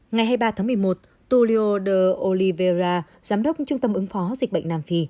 ngày hai mươi ba tháng một mươi một toulio de olivera giám đốc trung tâm ứng phó dịch bệnh nam phi